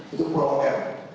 itu pulau m